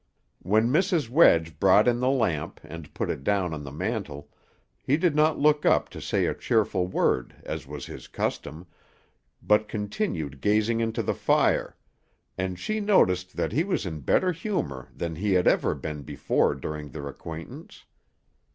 When Mrs. Wedge brought in the lamp, and put it down on the mantel, he did not look up to say a cheerful word, as was his custom, but continued gazing into the fire; and she noticed that he was in better humor than he had ever been before during their acquaintance.